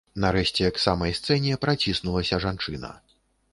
Нарэшце к самай сцэне праціснулася жанчына.